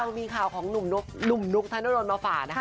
เรามีข่าวของหนุ่มนุ๊กนุ๊กธนโดรนมาฝ่านะคะ